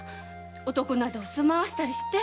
男など住まわせたりして。